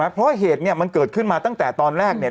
เพราะเหตุเนี่ยมันเกิดขึ้นมาตั้งแต่ตอนแรกเนี่ย